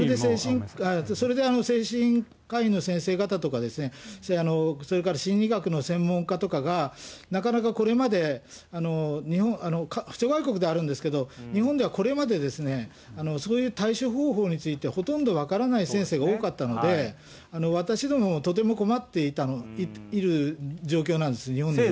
それで精神科医の先生方とか、それから心理学の専門家とかが、なかなかこれまで、諸外国ではあるんですけど、日本ではこれまでですね、そういう対処方法について、ほとんど分からない先生が多かったので、私ども、とても困っている状況なんです、日本でも。